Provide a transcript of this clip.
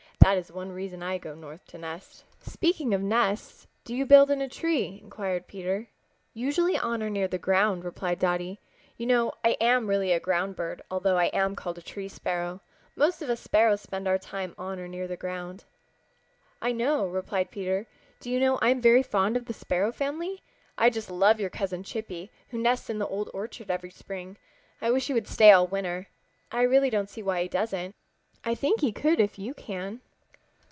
That is one reason I go north to nest." "Speaking of nests, do you build in a tree?" inquired Peter. "Usually on or near the ground," replied Dotty. "You know I am really a ground bird although I am called a Tree Sparrow. Most of us Sparrows spend our time on or near the ground." "I know," replied Peter. "Do you know I'm very fond of the Sparrow family. I just love your cousin Chippy, who nests in the Old Orchard every spring. I wish he would stay all winter. I really don't see why he doesn't. I should think he could if you can."